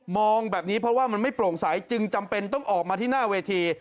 องแบบนี้เพราะว่ามันไม่โปร่งใสจึงจำเป็นต้องออกมาที่หน้าเวที